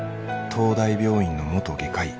東大病院の元外科医。